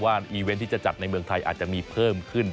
อีเวนต์ที่จะจัดในเมืองไทยอาจจะมีเพิ่มขึ้น